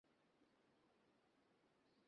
এটা তারা ছিল!